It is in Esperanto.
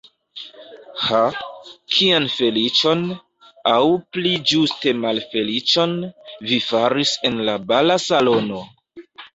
Ha, kian feliĉon, aŭ pli ĝuste malfeliĉon, vi faris en la bala salono!